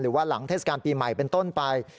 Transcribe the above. หรือว่าหลังเทศกาลปีใหม่เป็นต้นไป